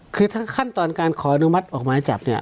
คือถ้าขั้นตอนการขออนุมัติออกหมายจับเนี่ย